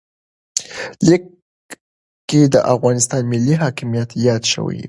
لیک کې د افغانستان ملي حاکمیت یاد شوی و.